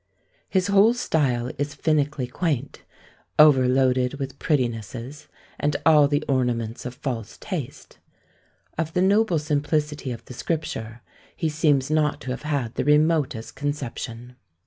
His whole style is finically quaint, overloaded with prettinesses, and all the ornaments of false taste. Of the noble simplicity of the Scripture he seems not to have had the remotest conception.